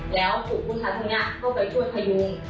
แล้วถูกผู้ชายคนนี้เข้าไปช่วยพยุง